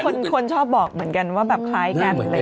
คนชอบบอกเหมือนกันว่าแบบคล้ายกัน